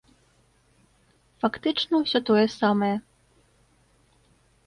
Фактычна ўсё тое самае.